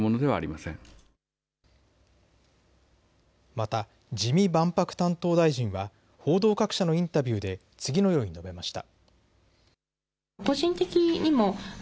また自見万博担当大臣は報道各社のインタビューで次のように述べました。